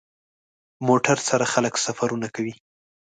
موټر سره خلک سفرونه کوي.